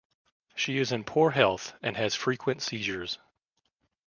She is in poor health and has frequent seizures.